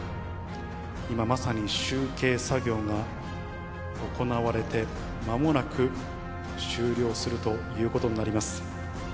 今まさに、集計作業が行われて、まもなく終了するということになります。